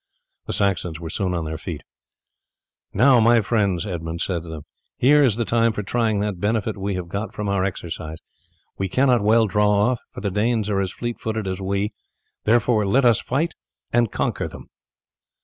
The Saxons were soon on their feet. "Now, my friends," Edmund said to them, "here is the time for trying what benefit we have got from our exercise. We cannot well draw off, for the Danes are as fleet footed as we; therefore let us fight and conquer them."